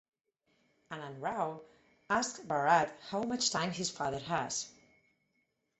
Anand Rao asks Bharath how much time his father has.